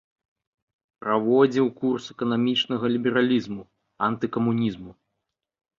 Праводзіў курс эканамічнага лібералізму, антыкамунізму.